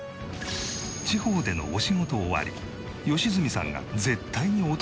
地方でのお仕事終わり良純さんが絶対に訪れる場所が。